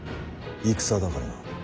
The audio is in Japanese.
戦だからな。